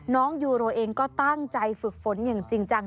ยูโรเองก็ตั้งใจฝึกฝนอย่างจริงจัง